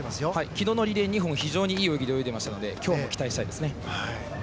昨日のリレー２本非常にいい泳ぎで泳いでいたので今日も期待したいですね。